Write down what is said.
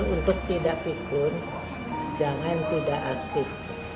untuk tidak figur jangan tidak aktif